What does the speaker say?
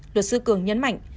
luật sư cường nhấn mạnh